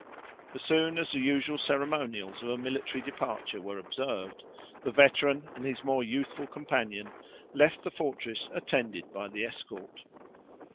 As soon as the usual ceremonials of a military departure were observed, the veteran and his more youthful companion left the fortress, attended by the escort.